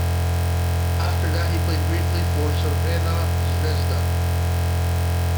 After that, he played briefly for Crvena zvezda.